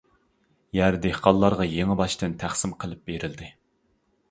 يەر دېھقانلارغا يېڭىباشتىن تەقسىم قىلىپ بېرىلدى.